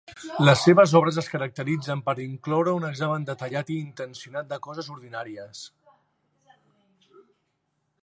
Les seves obres es caracteritzen per incloure un examen detallat i intencionat de coses ordinàries.